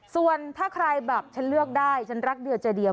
ส่วนถ้าใครแบบฉันเลือกได้ฉันรักเดียวใจเดียว